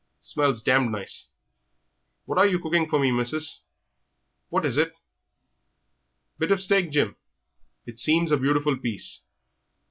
Smells damned nice, what you're cooking for me, missus. What is it?" "Bit of steak, Jim. It seems a beautiful piece.